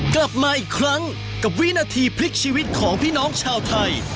กลับมาอีกครั้งกับวินาทีพลิกชีวิตของพี่น้องชาวไทย